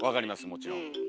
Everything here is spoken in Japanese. もちろん。